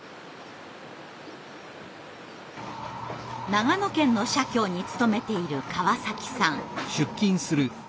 長野県の社協に勤めている川崎さん。